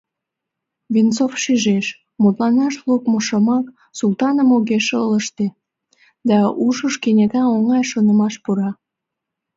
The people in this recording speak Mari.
Венцов шижеш: мутланаш лукмо шомак Султаным огеш ылыжте, да ушыш кенета оҥай шонымаш пура.